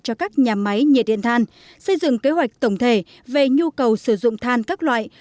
cho các nhà máy nhiệt điện than xây dựng kế hoạch tổng thể về nhu cầu sử dụng than các loại